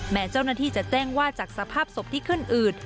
เจ้าหน้าที่จะแจ้งว่าจากสภาพศพที่ขึ้นอืด